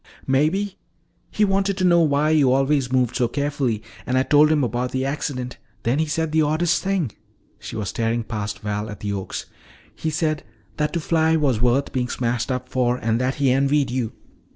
"Maybe. He wanted to know why you always moved so carefully. And I told him about the accident. Then he said the oddest thing " She was staring past Val at the oaks. "He said that to fly was worth being smashed up for and that he envied you."